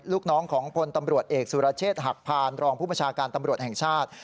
ลูกน้องของพลตำรวจเอกสุรเชษฐ์หักพานรองผู้ประชาการตำรวจแห่งชาติ